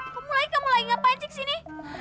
kamu lagi kamu lagi ngapain sih kesini